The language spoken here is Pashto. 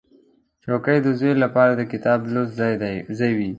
چوکۍ د زوی لپاره د کتاب لوست ځای وي.